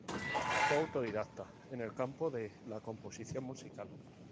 Fue autodidacta en el campo de la composición musical.